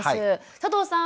佐藤さん。